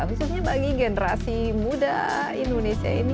khususnya bagi generasi muda indonesia ini